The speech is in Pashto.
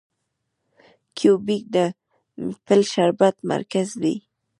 کیوبیک د میپل شربت مرکز دی.